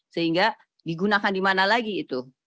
sehingga digunakan di mana lagi itu